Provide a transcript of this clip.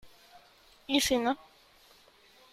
¿ y si no ...?